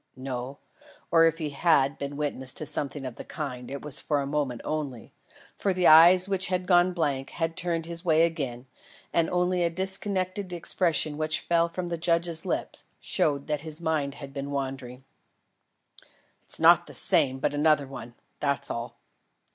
No, or if he had been witness to something of the kind, it was for a moment only; for the eyes which had gone blank had turned his way again, and only a disconnected expression which fell from the judge's lips, showed that his mind had been wandering. "It's not the same but another one; that's all."